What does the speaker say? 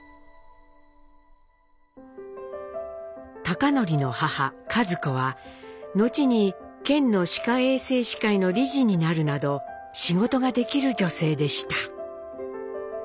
貴教の母一子は後に県の歯科衛生士会の理事になるなど仕事ができる女性でした。